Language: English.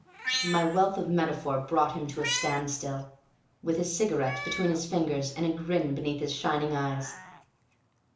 My wealth of metaphor brought him to a stand still, with his cigarette between his fingers and a grin beneath his shining eyes.